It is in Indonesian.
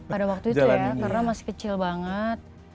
pada waktu itu ya karena masih kecil banget